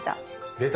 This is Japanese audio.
出た。